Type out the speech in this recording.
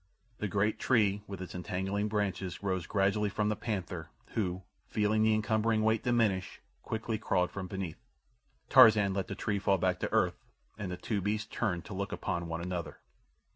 The great tree with its entangling branches rose gradually from the panther, who, feeling the encumbering weight diminish, quickly crawled from beneath. Tarzan let the tree fall back to earth, and the two beasts turned to look upon one another.